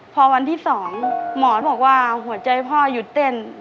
พอวันที่๒หมอบอกว่าหัวใจพ่อหยุดเต้น